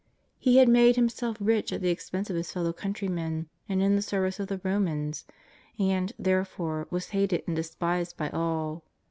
lie had made himself rich at the expense of his fellow countrymen and in the service of the Romans, and, therefore, was hated and despised by all.